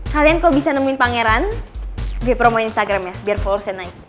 kalian kalau bisa nemuin pangeran gue promoin instagram ya biar followersnya naik